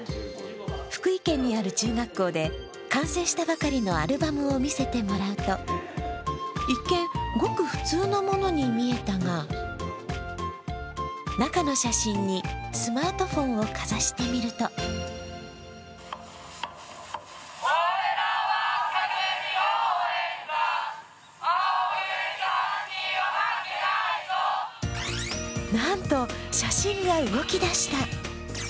福井県にある中学校で完成したばかりのアルバムを見せてもらうと一見、ごく普通のものに見えたが中の写真にスマートフォンをかざしてみるとなんと、写真が動き出した。